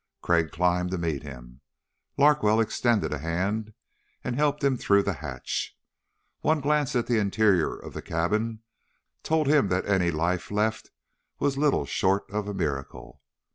Crag climbed to meet him. Larkwell extended a hand and helped him through the hatch. One glance at the interior of the cabin told him that any life left was little short of a miracle.